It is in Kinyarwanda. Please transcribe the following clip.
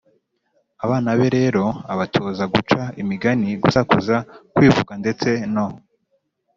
Abana be rero abatoza guca imigani, gusakuza, kwivuga ndetse no